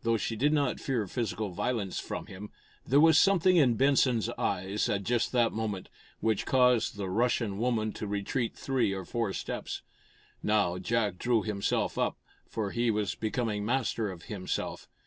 Though she did not fear physical violence from him, there was something in Benson's eyes, at just that moment, which caused the Russian woman to retreat three or four steps. Now Jack drew himself up, for he was becoming master of himself.